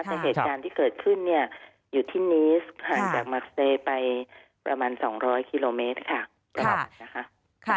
แต่เหตุการณ์ที่เกิดขึ้นเนี่ยอยู่ที่มิสห่างจากมัสเตย์ไปประมาณ๒๐๐กิโลเมตรค่ะนะคะ